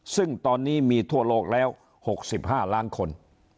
ซึ่งตอนนี้มีทั่วโลกแล้ว๖๕ล้านคน